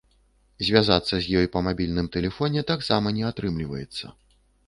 Звязацца з ёй па мабільным тэлефоне таксама не атрымліваецца.